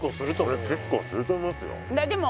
これ結構すると思いますよでも